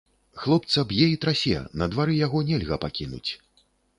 Хлопца б'е і трасе, на двары яго нельга пакінуць.